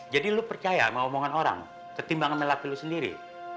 jadi lo percaya sama omongan orang ketimbang sama laki laki lo sendiri